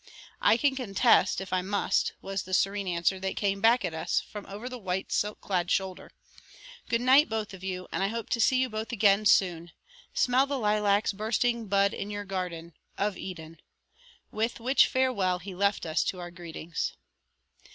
"I can contest if I must," was the serene answer that came back at us from over the white silk clad shoulder. "Good night, both of you, and I hope to see you both again soon. Smell the lilacs bursting bud in your garden of Eden!" With which farewell he left us to our greetings.